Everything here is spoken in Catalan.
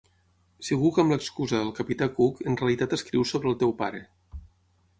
Segur que amb l'excusa del capità Cook en realitat escrius sobre el teu pare.